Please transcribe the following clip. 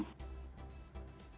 oh sama sekali